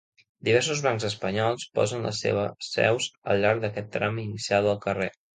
Diversos bancs espanyols posen les seves seus al llarg d'aquest tram inicial del carrer.